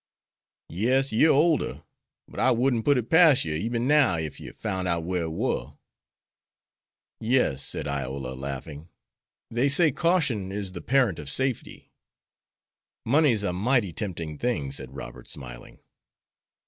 "Yes, yer older, but I wouldn't put it pas' yer eben now, ef yer foun' out whar it war." "Yes," said Iola, laughing, "they say 'caution is the parent of safety.'" "Money's a mighty tempting thing," said Robert, smiling.